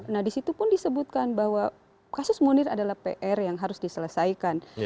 nah disitu pun disebutkan bahwa kasus munir adalah pr yang harus diselesaikan